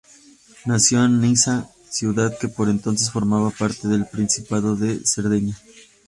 Nació en Niza, ciudad que por entonces formaba parte del Principado de Cerdeña.